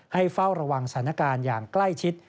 เฝ้าระวังสถานการณ์อย่างใกล้ชิด